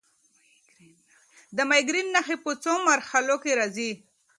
د مېګرین نښې په څو مرحلو کې راځي.